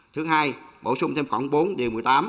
thứ hai bổ sung thêm khoảng bốn điều một mươi tám